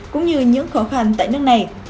cũng như những khó khăn tại nước này